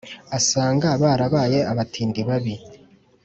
asanga barabaye abatindi babi